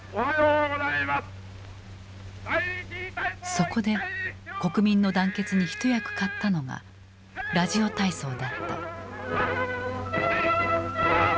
そこで国民の団結に一役買ったのがラジオ体操だった。